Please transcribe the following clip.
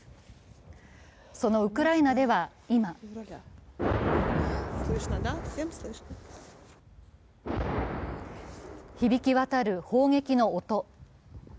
そのウクライナでは今響き渡る砲撃の音。